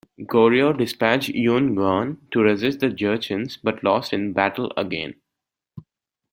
Goryeo dispatched Yun Gwan to resist the Jurchens but lost in battle again.